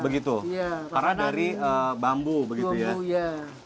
karena dari bambu begitu ya